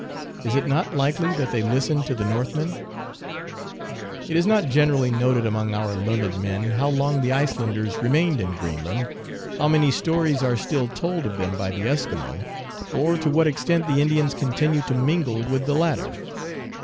Is it not likely that they listened to the Northmen ? It is not generally noted among our learned men how long the Icelanders remained in Greenland, how many stories are still told of them by the Eskimo, or to what extent the Indians continue to mingle with the latter.